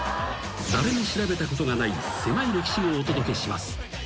［誰も調べたことがないせまい歴史をお届けします］